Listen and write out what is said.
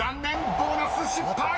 ボーナス失敗！］